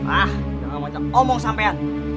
ah jangan macam omong sampean